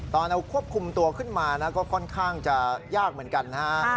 เราควบคุมตัวขึ้นมานะก็ค่อนข้างจะยากเหมือนกันนะฮะ